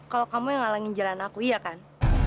kalau kamu yang ngalangin jalan aku iya kan